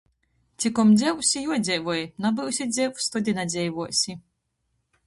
Cikom dzeivs, i juodzeivoj. Nabyusi dzeivs, tod i nadzeivuosi.